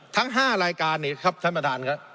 ทั้ง๕รายการนี่ครับท่านประธานครับ